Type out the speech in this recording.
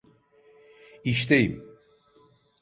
İşteyim.